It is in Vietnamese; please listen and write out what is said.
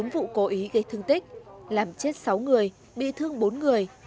bốn vụ cố ý gây thương tích làm chết sáu người bị thương bốn người